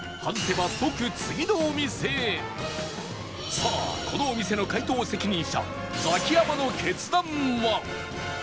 さあこのお店の解答責任者ザキヤマの決断は